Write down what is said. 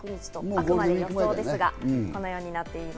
あくまで予想ですが、このようになっています。